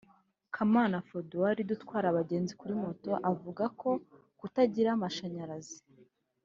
Kamana Frodouard utwara abagenzi kuri moto avuga ko kutagira amashanyarazi